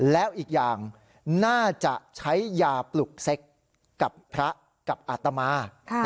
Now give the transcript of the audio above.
แล้วอีกอย่างน่าจะใช้ยาปลุกเซ็กกับพระกับอาตมา